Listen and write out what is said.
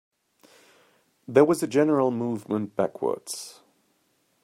There was a general movement backwards.